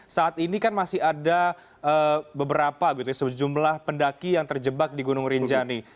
saat ini kan masih ada beberapa gitu ya sejumlah pendaki yang terjebak di gunung rinjani